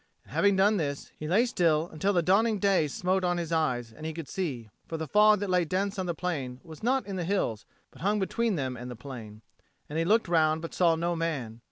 And having done this, he lay still until the dawning day smote on his eyes and he could see; for the fog that lay dense on the plain was not in the hills, but hung between them and the plain. And he looked round, but saw no man.